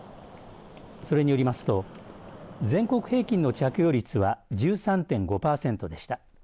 それによりますと全国平均の着用率は１３．５パーセントでした。